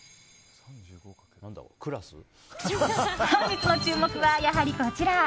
本日の注目は、やはりこちら。